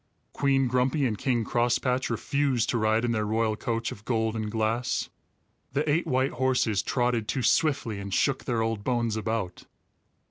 Queen Grumpy and King Crosspatch refused to ride in their royal coach of gold and glass. The eight white horses trotted too swiftly and shook their old bones about.